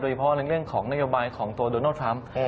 เฉพาะในเรื่องของนโยบายของตัวโดนัลดทรัมป์